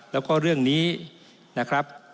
แล้วก็เรื่องนี้นะครับ